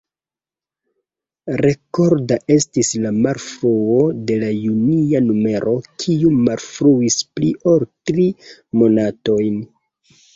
Rekorda estis la malfruo de la junia numero, kiu malfruis pli ol tri monatojn.